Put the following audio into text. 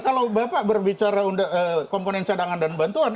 kalau bapak berbicara komponen cadangan dan bantuan